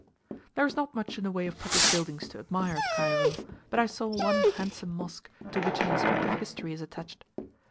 There is not much in the way of public buildings to admire at Cairo, but I saw one handsome mosque, to which an instructive history is attached.